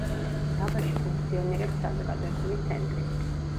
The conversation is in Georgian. დაბაში ფუნქციონირებს საზოგადოებრივი ცენტრი.